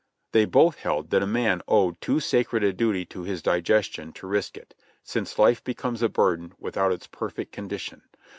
They both held that a man owed too sacred a duty to his digestion to risk it, since hfe becomes a burden without its per fect condition.